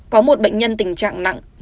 có một bệnh nhân tình trạng nặng